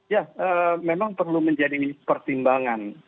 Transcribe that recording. ya memang perlu menjadi pertimbangan